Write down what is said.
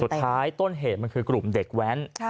สุดท้ายต้นเหตุมันคือกลุ่มเด็กแว้น